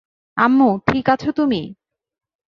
আম্মু, ঠিক আছো তুমি?